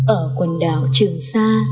ở quần đảo trường xa